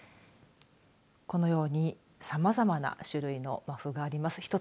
このように、さまざまな種類のマフがあります。